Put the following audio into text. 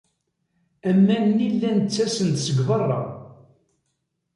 Aman-nni llan ttasen-d seg beṛṛa.